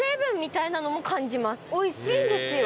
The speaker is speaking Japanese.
おいしいんですよ。